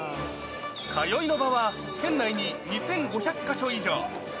通いの場は、県内に２５００か所以上。